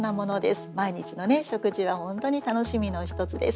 毎日の食事は本当に楽しみの一つです。